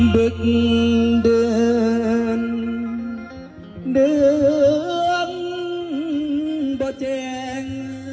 บึกเดือนเดือนบ่เจน